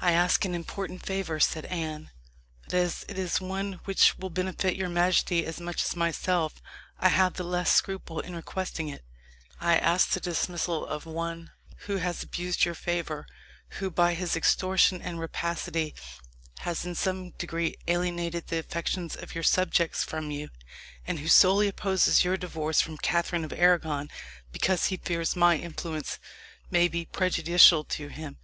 "I ask an important favour," said Anne, "but as it is one which will benefit your majesty as much as myself, I have the less scruple in requesting it. I ask the dismissal of one who has abused your favour, who, by his extortion and rapacity, has in some degree alienated the affections of your subjects from you, and who solely opposes your divorce from Catherine of Arragon because he fears my influence may be prejudicial to him."